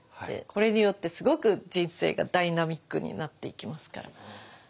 これによってすごく人生がダイナミックになっていきますから。